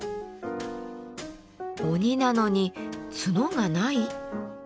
鬼なのに角がない？